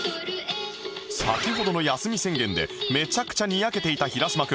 先ほどの休み宣言でめちゃくちゃにやけていた平島君